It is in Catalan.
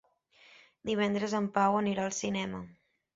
Divendres en Pau anirà al cinema.